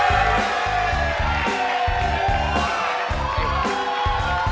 ya kepada para peserta